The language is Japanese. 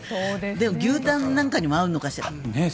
でも牛タンなんかにも合うのかしら。